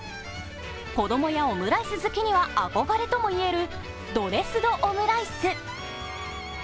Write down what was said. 子供やオムライス好きには憧れともいえるドレスドオムライス。